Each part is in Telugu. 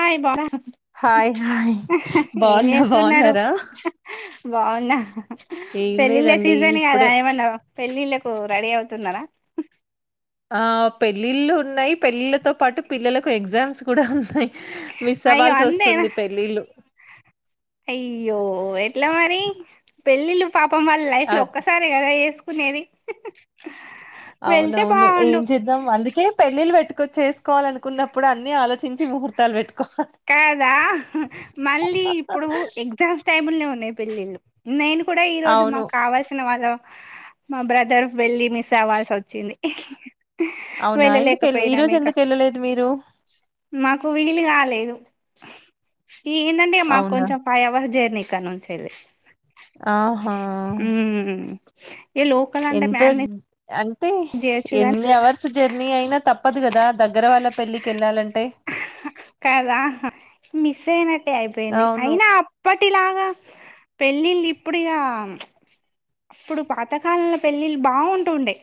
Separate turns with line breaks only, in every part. ఆయ్ బాబో
హాయ్ హాయ్ బాగున్నా బాగున్నారా
బావునా
ఏం
పెళ్లిలో
లేదండి
సీజన్ కాదా
ఇప్పుడే
ఏమన పెళ్ళిళక్ రెడీ అవుతున్నార
ఆ పెళ్ళిళ్ళు ఉన్నాయి పెళ్ళిళ్ళ తో పాటు పిల్లలకు ఎగ్జామ్స్ కూడా ఉన్నాయి మిస్
అయ్యో
అవాల్స్
అంతేనా
వస్తుంది పెళ్లిిళ్ళు
అయ్యో ఎట్లా మరి పెళ్ళిళ్ పాపం వాళ్ళ లైఫ్
అ
లో ఒక్కసారీ కదా కొనేది
అవునవును ఏం చేద్దాం అందుకే పెళ్ళిళ్లు పెట్టుకొచ్చిసుకోవాలినుకున్న ఇప్పుడు అన్ని ఆలోచి ముహూర్తాలు పెట్టు
కాదా మళ్ళీ ఇప్పుడు ఎగ్జామ్స్ టైమ్నే ఉంది పెళ్ళిళ్ళు నేను కూడా ఈ రోజు
అవును
మాకు కావాల్సిన వాళ్ళం మా బ్రదర్ పేళ్లి మిస్ అవ్వాల్సి వచ్చింది
అవునా ఎందుకు వెళ్ళ ఈ
వెళ్ళలేకపోయినాం
రోజు
ఇక
ఎందుకు వెళ్ళలేదు మీరు
మాకు వీలు కాలేదు ఫిష్ ఈ ఏంటంటే మాకు
అవునా
కొంచెం ఫైవ్ అవర్స్ జర్నీక్క నుంచేళ్ళి
ఆహా
ఏ లోకల్ అంటే మ్యానేజ
అ అ ఎన్ని అవర్స్ జర్నీ అయినా తప్పదు కదా దగ్గర వాళ్ళ పెళ్ళికి వెళ్ళాలంటే
కదా మిస్ అయినట్టే అయిపోయింది
అవును
అయినా అప్పటిలాగా పెళ్ళిళ్ళు ఇప్పుడుక అప్పుడు పాతకాలంలో పెళ్ళిళ్ళు బాగుంటుండే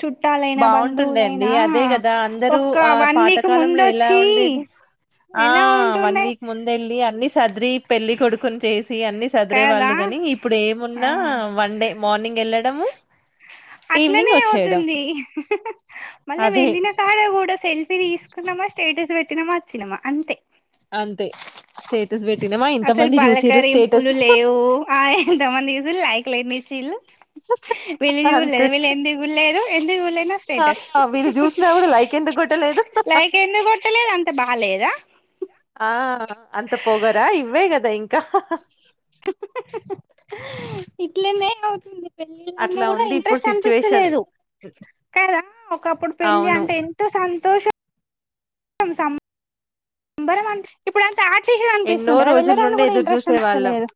చుట్టాలైనా
బాగుంటుండే అండి
బంధువులైనా
అదే కదా అందరూ
ఒక
ఆ
వన్ వీక్
పాతకాలంలో ఎలా
ముందొచ్చి
ఉండేది ఆ
ఎలా
వన్
ఉంటుండే
వీక్ ముందేళ్ళి అన్ని సద్రి పెళ్లి కొడుకుని చేసి చదిరే
కదా
వాళ్ళు ని ఇప్పుడు ఏమున్నా
ఆ
వన్ డే మార్నింగ్ వెళ్ళడ ఈవినింగ్
అట్లనే
వచ్చేయడం
అవుతుంది మళ్ళీ
అదే
వెళ్ళిన కాడే కూడా సెల్ఫీ తీసుకున్నామ స్ట పెట్టినమా వచ్చినామా అంతే
అంతే స్టేటస్ పెట్టినామా ఇంత మంది చూసి స్టేట్
పులు లేవు ఆ ఎంతమంది చేసిలైక్ క్లేమిచిల్ వీళ్ళు చూలేదు
అంతే
వీళ్ళు ఎందుకుళ్లేదు ఎందుకుఊలేనా
ఆ
స్టేటస్
వీళ్ళు చూసినా కూడా లైక్ ఎందుకు కొట్టలేదు
లైక్ ఎందు కొట్టలేదు అంత బాలేదా
ఆ అంత పోగరా ఇవ్వేగ దా ఇంకా
ఇట్లేనె అవుతుంది పెళ్ళన్నా
అట్లా
కూడా
ఉంది ఇప్పుడు
ఇంట్రెస్ట్
సిచ్యువేషన్
అనిపిస్తలేదు కదా ఒకప్పుడు పెళ్ళి
అవును
అంటే ఎంతో సంతోషం స నంబర్ వన్ ఇప్పుడు స్టార్టింగ్
ఎన్నో
అనిపిస్తుంది అదా
రోజుల
వెళ్ళడాలు
నుండి
కూడా
ఎదురు
ఇంట్రెస్ట్
చూసే వాళ్ళం
అనిస్తలేదు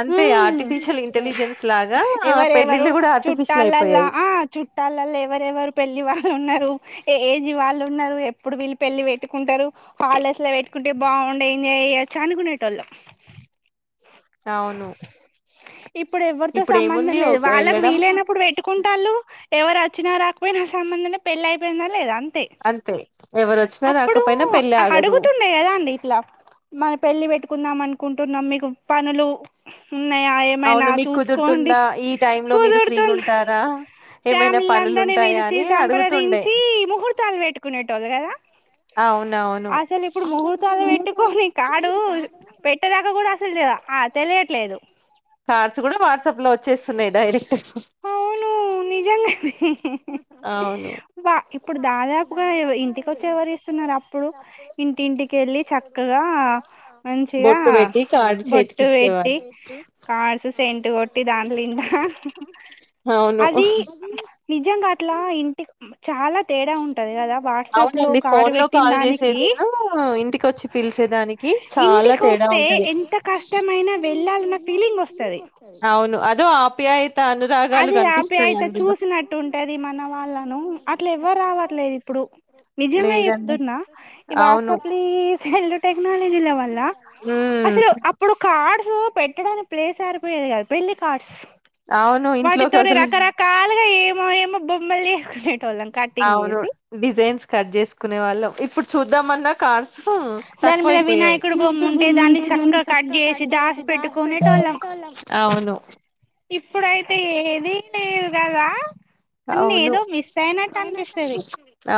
అంతే ఆర్టిఫిషియల్ ఇంటెలిజెన్స్ లాగా
ఎవరెవరు
పెళ్ళిళ్ళు కూడా ఆర్టిఫిషియల్
చుట్టాలలో
అయిపోయాయి
ఆ చుట్టాలలో ఎవరెవరు పెళ్లి వాళ్ళు ఉన్నారు ఏ జీవాళ్ళు ఉన్నారు ఎప్పుడు వీళ్ళు పెళ్లి పెట్టుకుంటారు కాలస్ లో పెట్టుకుంటే బాగుండేయి ఎంజాయ్ అయొచ్చ అనుకునేటోళ్ళు
అవును
ఇప్పుడు ఎవ్వరితో
ఇప్పుడు
సంబంధం
ఏముంది
లేదు
ఒక
వాళ్ళకు
వెళ్ళడం
వీలైనప్పుడు పెట్టుకుంట వాళ్ళు ఎవరు వచ్చినా రాకపోయినా సంబంధం లే పెళ్ళి అయిపోయిందా లేదా
అంతే ఎవరు వచ్చినా
అప్పుడు
రాకపోయినా పెళ్ళ
అడుగుతుండే కదా అండి ఇట్లా మన పెళ్లి పెట్టు కుందాం అనుకుంటున్నాం మీకు పనులు ఉన్నాయా ఏమైనా
అవును మీకు
చూసుకోండి
కుదురుతుందా ఈ టైమ్ లో మీరు ఫ్రీగా
కుదురుతుంది
ఉంటారా ఏమైనా
ఫ్యామిలీల
పనులు
అందరినీ
ఉంటాయా
పలిచి
అని అడుగుతుండే
సంప్రదించి ముహూర్తాలు పెట్టుకునేటోళ్ళు కదా
అవును
అసలు ఇప్పుడు ముహూర్తాలు పెట్టుకొని కాడు పెట్టదాకా కూడా అసలు లేదా తెలియట్లేదు
కార్డ్స్ కూడా వాట్సాప్ లో వచ్చేస్తున్నాయి డైరెక్ట్
అవును నిజంగా
అవును
వా ఇప్పుడు దాదాపుగా ఇంటిక వచ్చి ఎవరు ఇస్తున్నారు అ ఇంటింటికి వెళ్ళి చక్కగా మంచిగా
బొట్టు పెట్టి కార్డు
బొట్టు పెట్టి
చేతికిచ్చేవాళ్ళు
కార్సు సెంట్ కొట్టి దానిలిండా
అవును
అది నిజం అట్లా ఇంటి చాలా తేడా ఉంటది కదా వాట్సాప్ లో కార్డు పెట్టిన దానికి
ఏదైనా ఇంటికొచ్చి పిలిచేదానికి చాలా తేడా
ఇంటికొస్తే
ఉంటది
ఎంత కష్టమైనా వెళ్ళాలన్న ఫీలింగ్
అవును అదో ఆప్యాయ
అదే ఆప్యాయతే చూసినట్టు ఉంటది మన వాళ్ళను అట్లే రావట్లే ఇప్పుడు నిజమే
లేదండి
చెప్తున్న ఈ వాట్స్
అవును
అప్ ఈ సెల్ టెక్నాలజీలవల్ల
ఉమ్
అసలు అప్పుడు కామ్ కార్డ్స్ పెట్టడానికి ప్లేస్ సరిపోయేది కాదు పెళ్లి కార్డ్స్
అవును ఇంత
టితూరి రకరకాల ఏమో ఏమో బొమ్మలి
అవును డిజైన్స్ కట్ చేసుకునే వాళ్ళం ఇప్పుడు చూద్దాంమన్నా కార్స్
దాని మీద
తక్కువైపోయాయి
వినాయకుడు బొమ్మ
వినాయకుడి
ఉంటే దాన్ని చక్కగా కట్ చేసి దాసి పెట్టుకునేటోళ్ళం
అవును
ఇప్పుడైతే ఏది లేదు కదా అన్ని
అవును
ఏదో మిస్ అయినట్టు అనిపిస్తది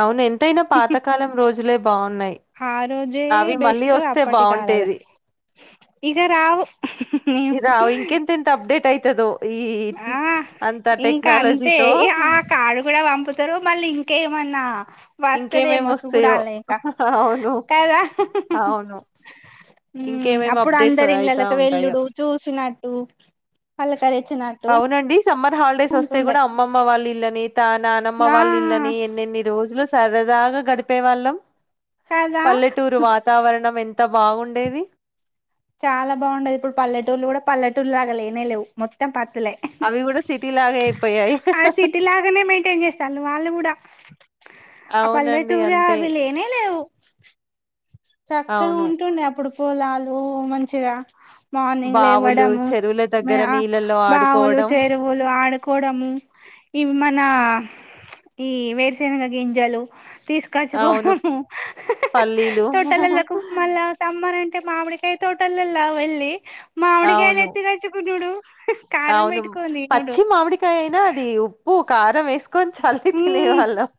అవును ఎంతయినా పాతకాలం రోజు జులే బాగుంటా
ఆ రోజే బెస్ట్ అప్పటి కాలాలు
బాగుంటేది
ఇగ రావు
ఇద ఇంకెంత ఎంత అప్డేట్ అయితదో ఈ
ఆ
అంత
ఇంకా
టెక్నాలజీతో
ఇస్తరు మళ్ళీ ఇంకేమన్నా
ఇంకేమేమి
వస్తుదేమో చు కూడా
వస్తాయో
లై ఇంకా
అవును
కదా
అవును ఇంకేమేమి
అప్పుడు
అప్డేట్స్
అందరి
అయితా
ఇళ్ళకి
ఉంటాయో
వెళ్ళుడు చూసినట్టు పలకరిచినట్
అవునండి సమ్మర్ హాలిడేస్ వస్తే కూడా అమ్మమ్మ వాళ్ళ ఇళ్ళని త నానమ్మ
ఆ
వాళ్ళు ఇళ్ళలని ఎన్నెన్ని రోజులు స్ సరే బాగా గడిపే వాళ్ళం
కదా
పల్లెటూరు వాతావరణం ఎంత్ అంట బాగుండ్ ఎది
చాలా బాగుండది ఇప్పుడు పల్లెటూళ్లు కూడా పల్లేటూర్ లాగాలేనే లేవు మొత్తం పట్ట్ లే
అవి గూడా సిటీలాగే అయిపోయాయి.
అ సిటీ లాగానే మెయింటైన్ చేస్తాారు వాళ్ళు కూడా ఇనో అడిబుల్ ఆ
అవునండి.
పల్లెటూరే
అంతే.
అవి లేనే లేవు చక్కగా
అవును.
ఉంటుండే అప్పుడు పూలాలు మంచిగా మార్నింగ్లు
బావులు,
ఇవ్వడము
చెరువుల దగ్గర నీళ్ళల్లో
బావులు
ఆడుకోవడం.
చెరువులు ఆడుకోవడము ఇవి మన ఈ వేరుసేనగా గింజలు తీసుకొచ్చు
అవును.
పోవడం
పల్లీలు.
పిల్లలకు మల్ల సాంబార్ ఎ అంటే మామిడికాయ తోటలల్లా వెళ్ళి మామిడికాయలు
అవును.
ఎత్తుకోచ్చుకుచూడు
అవును పచ్చి మామిడికాయ అయిన అది ఉప్పు కారం వేస్ కోన్చ్ హఫి తినేవాళ్ళం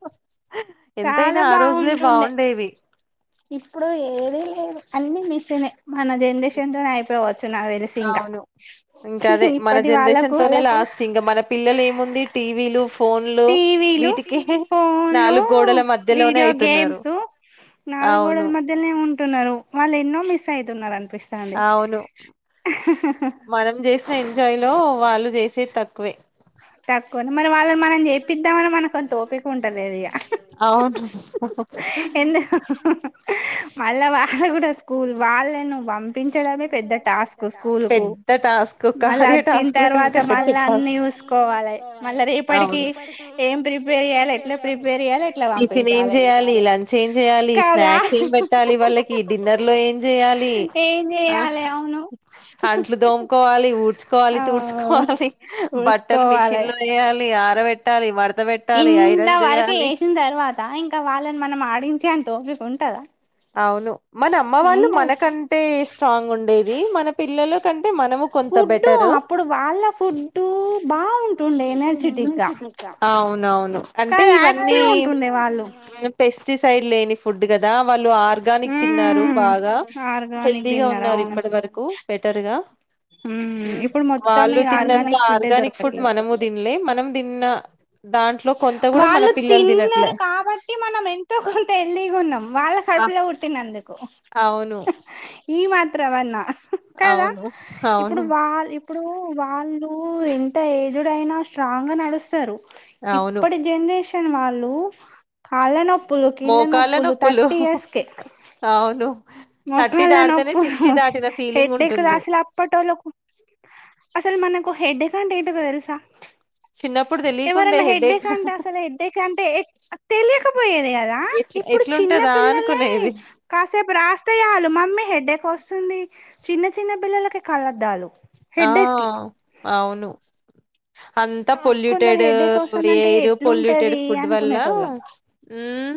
ఎంతయిన
చాలా
ఆ రోజులే
బాగుంటుండే
బాగుండేవి
ఇప్పుడు ఏవి లేవు అన్ని మిస్ అయినాయి మన జనరేషన్ తోనే అయిపోవచ్
అవును ఇంక అదే మన
ఇప్పటి
జనరేషన్
వాళ్ళకు
తోనే లాస్ట్ ఇంగ మన పిల్లలు ఏముంది టీవీలు ఫోన్లు
టీవీలు
వీటికి
ఫోన్లు
నాలుగు గోడల మధ్యలోనే అయితున్నారు అవును
నాలుగుగోడల మధ్యనే ఉంటునరు వాళ్ళు ఎన్నో మిస్ అయితున్నారంట
అవును మనం జేసిన ఎంజాయ్ లో వాలు చేసేది తక్కువే
తక్కువ మరి వాళ్ళును మనం చేపిద్దామని మనకు అంత ఒపి ఉంట్టలేదిక
అవును
ఎందుక్ అలా వాళ్ళు కూడా స్కూల్ వాళ్ళను పంపించడమే పెద్ద టాస్క్ స్కూల్కు
పెద్ద టాస్క్
మళ్ళ
కార్య
వచ్చిన్
టాస్క్ ల
తర్వాత
కంటే పెద్ద
మల్ల అన్ని
టాస్క్
చూసి కోవాలే మళ్ళ రేపటికి
అవును ఇప్పటికి
ఏం ప్రిపేర్ చేయాలి ఎట్లా ప్రిపేర్ చేయాలి ఎట్లా
టిఫిన్ ఏం
పంపించాలి
చేయాలి లంచ్ ఏం చేయాలి
కాగా
స్నాక్స్ ఏం పెట్టాలి వాళ్ళకి డిన్నర్ లో ఏం చేయాలి
ఏ
ఆ అంట్లు దోముకోవాలి ఊడ్చుకోవాలి
ఆ
తుడ్చుకోవాలి బట్ టల్
చూసుకోవాలి
మిషన్ లో వేయాలి ఆ పెట్టాలి వాడ్
ఇంత వరకు యేసిన్ తర్వాత ఇంకా వాళ్ళని మనం ఆడించే అంత ఓపిక వున్ టాద
అవును మన అమ్మ వాళ్ళు మనకంటే స్ట్రాంగ్ ఉండేది మన పిల్లలు మనము కొంత
ఫుడ్
బ్యాటరు
అప్పుడు వాళ్ళ ఫుడ్ బాగుంటుండే ఎనర్జెటిక్ గా
ఆ అవునవును అంటే
కాదు
ఇవన్నీ
యాక్టివ్ ఉంటుండే వాళ్ళు
మన చి సైడ్ లేని ఫుడ్ కదా వాళ్ళు ఆర్గానిక్ తిన్నారు
ఉమ్
బాగా
ఆర్గానిక్
హెల్దీగా
తిన్నారు
ఉన్నారు
అవును
ఇప్పటి వరకు బెటర్గా
ఉమ్ ఇప్పుడు మొత్తం ఈ
తిన్న
ఆర్గానిక్ ఫుడ్డే దొరకట్లేదు
దాంట్లో కొంత కూడా మన
వాళ్ళు
పిల్లలు తినట్లే
తిన్నారు కాబట్టి మనం ఎంతో కొంత హెల్దీగా ఉన్నాం వాళ్ళ కడుపులే పుట్టినందుకు
అవును
ఈ మాత్రమన్నా కదా
అవును
ఇప్పుడు
అవును
వాళ్ ఇప్పుడు వాళ్ళు ఎంత ఎజెడ్ అయినా స్ట్రాంగ్ గా నడుస్తారు
అవును
ఇప్పుడి జనరేషన్ వాళ్ళు కాళ్ళ నొ నోప్పులు కిళ్ళ నొప్పులు థర్టీ ఇయర్స్ కె
అవును థర్టీ
మోకాళ్ళ
దాటితేనే
నొప్పులు
సిక్స్టీ దాటిన ఫీలింగ్
హెడ్డేక్
ఉంటుంది
అసలు అప్పటోళ్ళకు అసలు మనకు హెడ్డేక్ ఎన్ అంటే ఏంటో తెల్సా
చిన్నప్పుడు తెలికుండే హెడ్
ఎడంటే అసలు ఎడ్డెక్ అంటే తెలియకపోయేది కదా
ఎట్
ఇప్పుడు చిన్న
ఎట్లుంటదా
పిల్లలకే
అనుకునేది
కాసేపు రాస్తే వాళ మమ్మీ హెడ్డ వస్తుంది చిన్న చిన్న పిల్లలకి కలద్దాలు
ఆ అవును అంతా
కొందరు
పొల్యూటెడ్
హెడ్డేక్ వస్తుందంటే
ఎయిరు పొల్యూటెడ్
ఎట్లుంటది
ఫుడ్ వల్ల
అనుకునేటోళ్ళం
ఉమ్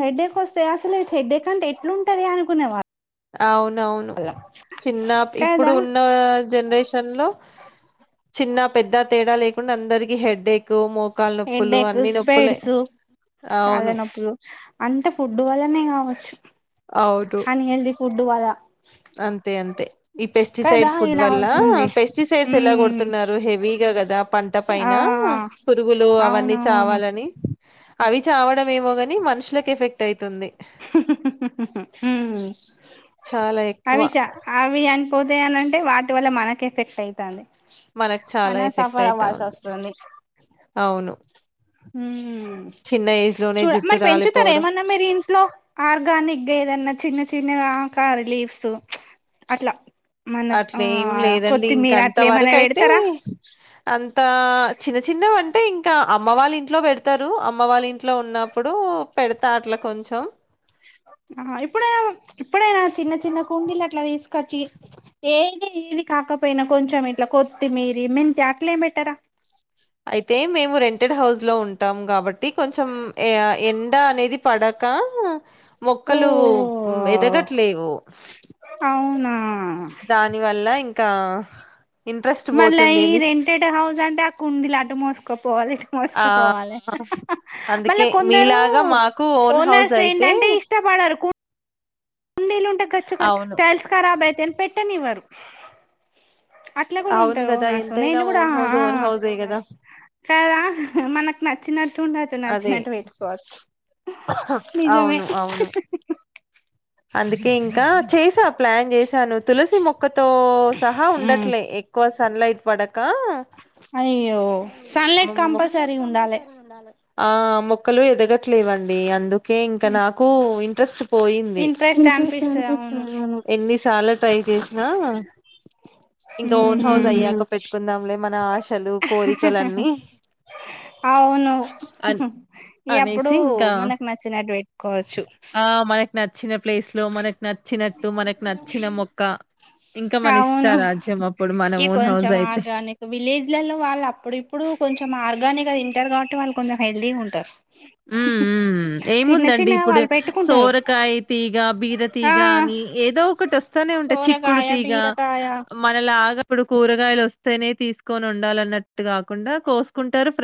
హెడ్డేక్ వస్తే అసలు హెడ్డేక్ అంటే ఎట్లుంటుంది అనుకునేవాల్
ఔన్ ఔను చిన్నాప్ ఇప్పుడు
కదా
ఉన్న జన్రేషన్ లో చిన్న పెద్ద తేడా లే. ఉన్నందరికీ హెడ్డేకు మో.
హెడ్డేకు స్పెడ్సు
అవును
కాళ్ళనొప్పుళ్లు అంత ఫుడ్డ్ వల్లనే గావచ్చు అన్ హెల్ది ఫు. డ్డు వల
అంతె అంతె ఈ పెస్టిసైడ్ ఫుడ్
ఇలా
వల్ల
అవుతుంది
పెస్టిసైడ్స్ ఎలా
ఉమ్
గొడుతున్నారు హెవీగా గదా పంట
ఆ
పైన పురుగుల్. లు అవన్నీ
అవును
చావాలని. అవి చావడమేమోగాని మనుషులకెఫెక్ట్ అయ్ తుంది.
హ్మ్
చాలా ఎక్.
అవి చ అవి యాన్ పోతాయనంటే వాటి వల్ల మనకెఫెక్ట్ అయ్తాంది.
మనక్ చాలా ఎఫెక్టయితా ఉంది
వస్తుంది
ఔను.
ఉమ్ చూడ మర్ పెంచుతర
రాలిపోవడం
ఏమన్నా మీరింట్లో. గానిగ్గేదన్న చిన్న చిన్నగా కారీ లీవ్సు అట్ల.
అట్లేం లేదండి ఇంక అంత
అట్లా ఏమైనా
వరుకైతే
పెడతారా
అంతా చిన్న చిన్న వ. టే ఇంక అమ్మ వాళ్ళింట్లో పెడతరు అమ్మ వాళ్ళింట్లో ఉన్నప్పుడు పెడ్తా అట్ల.
ఆ ఇప్పుడే ఇప్పుడే. చిన్న చిన్న కుండీలట్ల దీస్కచ్చి ఏది ఏది కాకపోయ్నా కొంచెం ఇట్ల కొత్తిమీరి మెంతి అట్లేమ్ బెట్టరా.
అయితే మేము రెంటెడ్ హౌస్ లో ఉంటాం కాబ టి కొంచెం ఎ ఎండ అనేది పడకా మొక్కలు
ఓహో
మ్ ఎదగట్లేవు.
అవునా
దాని వల్ల ఇంక్ కా
మళ్ళ ఈ రెంటెడ్ హౌస్ అంటే ఆ కుండీలటు మోసుకోపోవాలె ఇటు
ఆ
మోసుకపోవాలె మళ్ళ
అందుకే
కొందరూ
మీలాగా మాకు ఓన్ హౌస్ అయితే
ఓనర్సేంటంటే ఇష్టపడరు కు. కుండీలుంటే కచ్చుక
అవును
టైల్స్ కరాబయ్ తాయని పెట్టనివ్వరు. అట్ల
అవును
కూడుంటరు
కదా
ఓనర్సు
ఎంతైనా
నేను గుడా
ఓన్ హౌస్
ఆ
ఓన్ హౌసే కదా
కాదా. మనకు నచ్చిన. టుండచ్చు నచ్చినట్టు వెట్టుకోవచ్చు.
ఔను ఔను అందుకే ఇంకా చేసా ప్లాన్ జేస్ త్యాను తులసి మొక్కతో సహా
ఉమ్
ఉండట్లే ఎక్కువ సన్లైట్ పడక
అయ్యో
ఆ,
సన్లైట్
మొ-
కంపల్సరీ ఉండాలి
ఆ మొక్కలు ఎదగట్లేవండి అందుకు కే ఇంకా నాకు ఇ ట్రైస్ పోయింది
ఇంట్రెస్ట్ అనిపిస్తది అవును
ఎన్ని చాలడ్ ట్రై చేసిన ఇంకా ఓన్ హౌస్
ఉహు
అయ్యాక పెట్టుకుందాంలే మన ఆశలు కోరికలున్నీ
అవును ఎప్పుడు
అనేసి ఇంకా
మనకు నచ్చినట్టు పెట్టుకోవచ్చు
మన చి వెబ్ ప్లేస్ లో మనకు నచ్చినట్టు మనకు నచ్చిన మొక్క ఇంకా మన ఇష్ట
అవును
రాజ్యం అప్పుడు మన
ఈ
ఓన్ హౌస్
కొంచెం
అయితే
ఆర్గానిక్ విలేజ్లలో ఇంటారు కాబట్టి వాళ్ళు కొంచె హెల్తీగా ఉంటారు
ఉ
చిన్న
ఏముందండి
చిన్నగా
ఇప్పుడు
వాళ్ళు పెట్టుకుంటారు
సోరకాయ తీ గా బీర
ఆ
తీగ అని ఏదో ఒకటి వస్తానే ఉంటాయి చిక్కుడు
సోరకాయ
తీగ
బీరకాయ
మనలాగా ఇప్పుడు కూరగాయలు వస్తేనే తీసుకొని వండాలిన్నట్టు కాకుండా కోసుకుంటారు ఫ్రెష్